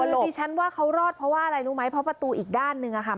คือดิฉันว่าเขารอดเพราะว่าอะไรรู้ไหมเพราะประตูอีกด้านหนึ่งอะค่ะ